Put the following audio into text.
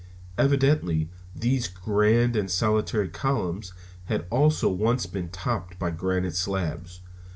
Evidently these grand and solitary columns had also once been topped by granite slabs.